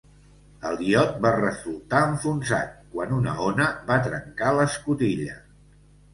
El iot va resultar enfonsat quan una ona va trencar l'escotilla.